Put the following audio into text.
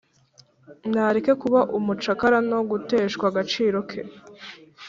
Nareke kuba umucakara, No guteshwa agaciro ke,